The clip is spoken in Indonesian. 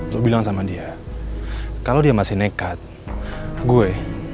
so bilang sama dia kalau dia masih nekat gue